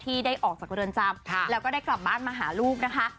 ได้ออกจากเรือนจำแล้วก็ได้กลับบ้านมาหาลูกนะคะ